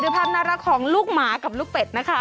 ความน่ารักของลูกหมากับลูกเป็ดนะคะ